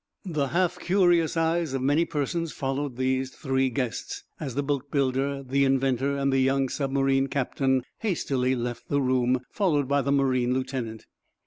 The half curious eyes of many persons followed these three guests, as the boatbuilder, the inventor and the young submarine captain hastily left the room, followed by the marine lieutenant.